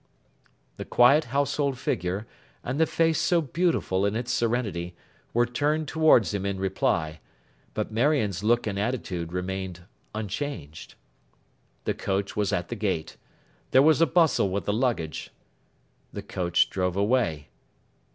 The quiet household figure, and the face so beautiful in its serenity, were turned towards him in reply; but Marion's look and attitude remained unchanged. The coach was at the gate. There was a bustle with the luggage. The coach drove away.